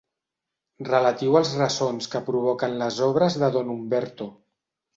Relatiu als ressons que provoquen les obres de don Umberto.